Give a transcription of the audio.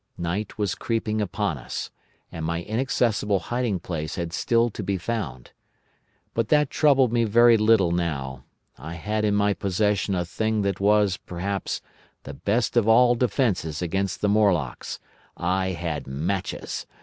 Night was creeping upon us, and my inaccessible hiding place had still to be found. But that troubled me very little now. I had in my possession a thing that was, perhaps, the best of all defences against the Morlocks—I had matches!